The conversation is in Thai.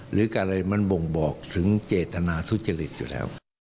หรืออะไรมันบ่งบอกถึงเจตนาทุจริตอยู่แล้ว